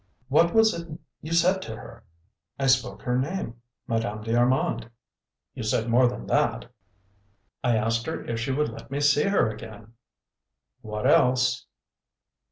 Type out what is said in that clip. "What was it you said to her?" "I spoke her name 'Madame d'Armand.'" "You said more than that!" "I asked her if she would let me see her again." "What else?"